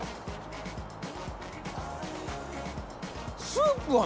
「スープは」